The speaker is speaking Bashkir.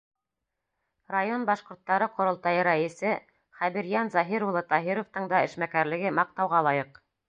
Район башҡорттары ҡоролтайы рәйесе Хәбирйән Заһир улы Таһировтың да эшмәкәрлеге маҡтауға лайыҡ.